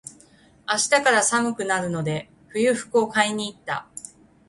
明日から寒くなるので、冬服を買いに行った。